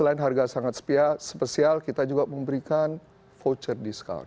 selain harga sangat spesial kita juga memberikan voucher discount